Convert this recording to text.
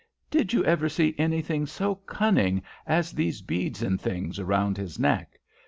Did you ever see anything so cunning as these beads and things round his neck?